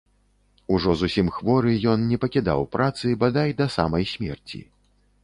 Ужо зусім хворы, ён не пакідаў працы бадай да самай смерці.